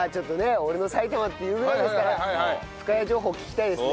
俺の埼玉っていうぐらいですから深谷情報聞きたいですね。